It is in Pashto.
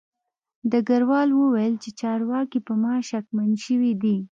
ډګروال وویل چې چارواکي په ما شکمن شوي دي